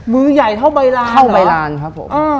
มือใหญ่เท่าใบลานครับ